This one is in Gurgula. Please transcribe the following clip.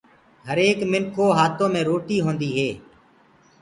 هر ايڪ منکِو هآتو مي روٽي هوندي هي